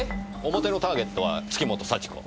表のターゲットは月本幸子。